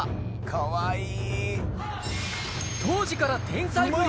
かわいい。